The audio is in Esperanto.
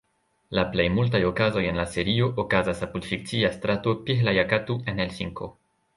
La plej multaj okazoj en la serio okazas apud fikcia strato Pihlajakatu en Helsinko.